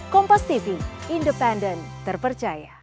kompos tv independen terpercaya